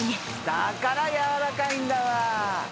だからやわらかいんだわ。